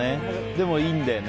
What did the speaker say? でもいいんだよね。